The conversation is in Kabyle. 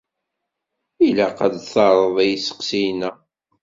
Ilaq ad d-terreḍ i yisteqsiyen-a.